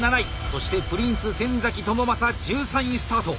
そしてプリンス・先倫正１３位スタート。